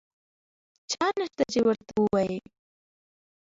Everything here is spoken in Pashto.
چا نشته چې ورته ووایي.